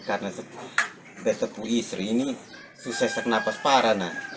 karena betapu istri ini sesak nafas parah nah